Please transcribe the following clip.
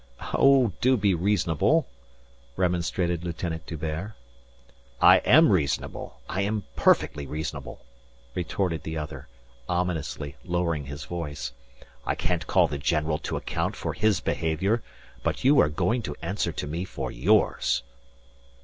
"Oh, do be reasonable," remonstrated Lieutenant D'Hubert. "I am reasonable. I am perfectly reasonable," retorted the other, ominously lowering his voice. "I can't call the general to account for his behaviour, but you are going to answer to me for yours."